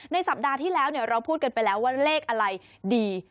สัปดาห์ที่แล้วเราพูดกันไปแล้วว่าเลขอะไรดี